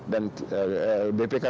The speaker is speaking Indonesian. dan bpk juga memastikan